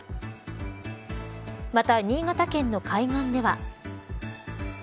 また、新潟県の海岸では。